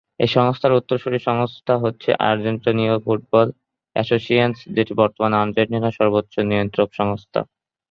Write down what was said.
এই সংস্থার উত্তরসূরি সংস্থা হচ্ছে আর্জেন্টিনীয় ফুটবল অ্যাসোসিয়েশন, যেটি বর্তমানে আর্জেন্টিনার সর্বোচ্চ নিয়ন্ত্রক সংস্থা।